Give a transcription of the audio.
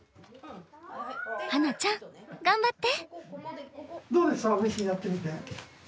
羽那ちゃん頑張って！